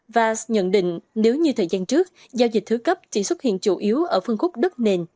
vars nhận định nếu như thời gian trước giao dịch thứ cấp chỉ xuất hiện chủ yếu ở phân khúc đất nền